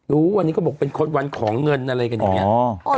รู้วันนี้ก็บอกเป็นคนวันของเงินอะไรกันอย่างนี้